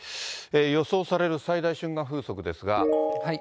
予想される最大瞬間風速ですが。